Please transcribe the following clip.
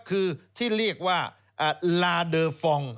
คือที่เรียกว่าลาเดอร์ฟอง